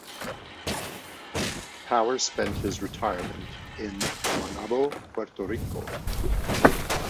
Power spent his retirement in Guaynabo, Puerto Rico.